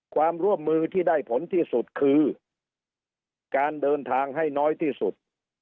ความร่วมมือที่ได้ผลที่สุดคือการเดินทางให้น้อยที่สุด